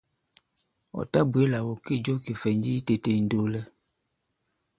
Ɔ̀ tabwě là ɔ̀ kê jo kìfɛ̀nji i tētē ì ndoolɛ.